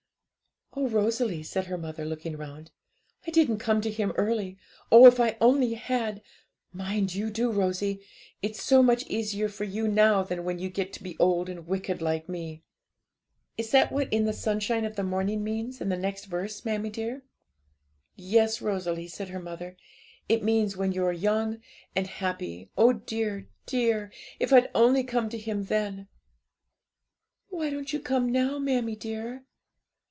'Oh, Rosalie,' said her mother, looking round, 'I didn't come to Him early oh, if I only had! Mind you do, Rosie; it's so much easier for you now than when you get to be old and wicked like me.' 'Is that what "In the sunshine of the morning" means, in the next verse, mammie dear?' 'Yes, Rosalie,' said her mother; 'it means when you're young and happy. Oh, dear, dear! if I'd only come to Him then!' 'Why don't you come now, mammie dear?'